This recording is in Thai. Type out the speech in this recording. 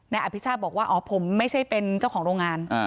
อภิชาติบอกว่าอ๋อผมไม่ใช่เป็นเจ้าของโรงงาน